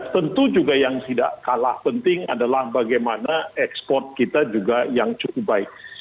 tentu juga yang tidak kalah penting adalah bagaimana ekspor kita juga yang cukup baik